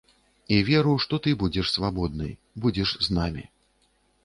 І веру, што ты будзеш свабоднай, будзеш з намі.